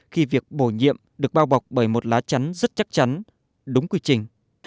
khi việc bổ nhiệm được bao bọc bởi một lá chắn rất chắc chắn đúng quy trình